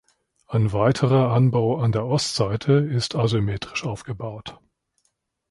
Ein weiterer Anbau an der Ostseite ist asymmetrisch aufgebaut.